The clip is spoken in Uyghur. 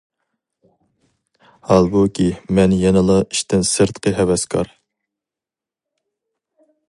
ھالبۇكى، مەن يەنىلا ئىشتىن سىرتقى ھەۋەسكار.